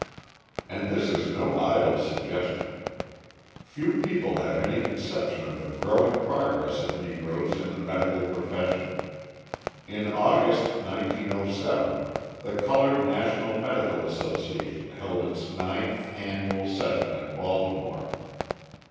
And this is no idle suggestion. Few people have any conception of the growing progress of Negroes in the medical profession. In August, 1907, the Coloured National Medical Association held its ninth annual session at Baltimore.